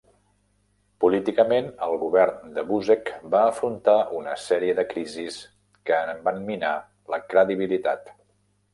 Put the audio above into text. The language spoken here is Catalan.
Políticament, el govern de Buzek va afrontar una sèrie de crisis que en van minar la credibilitat.